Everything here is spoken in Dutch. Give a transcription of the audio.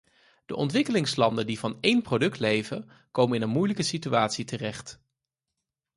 De ontwikkelingslanden die van één product leven, komen in een moeilijke situatie terecht.